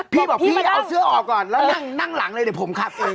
พี่บอกพี่เอาเสื้อออกก่อนแล้วนั่งหลังเลยเดี๋ยวผมขับเอง